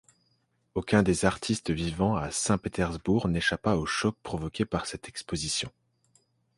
Aucun des artistes vivant à Saint-Pétersbourg n'échappa au choc provoqué par cette exposition.